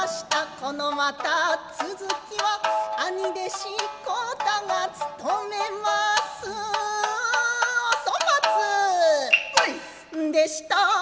このまた続きは兄弟子幸太がつとめますおそまつでした